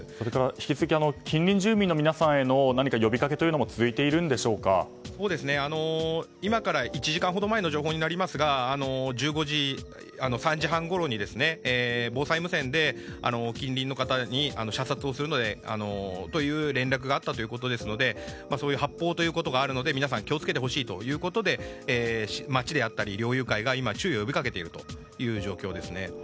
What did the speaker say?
引き続き近隣住民の皆さんへの呼びかけというのも今から１時間ほど前の情報になりますが３時半ごろに防災無線で近隣の方に射殺をするのでという連絡があったということですので発砲ということがあるので皆さん気を付けてほしいということで町であったり猟友会が注意を呼びかけている状況です。